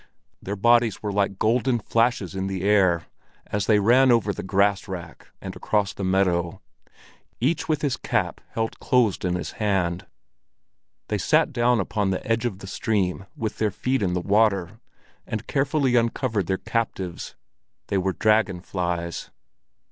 Their bodies were like golden flashes in the air as they ran over the grass wrack and across the meadow, each with his cap held closed in his hand. They sat down upon the edge of the stream with their feet in the water, and carefully uncovered their captives; they were dragon flies.